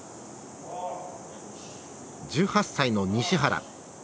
１８歳の西原。